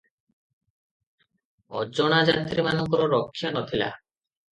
ଅଜଣା ଯାତ୍ରୀମାନଙ୍କର ରକ୍ଷା ନ ଥିଲା ।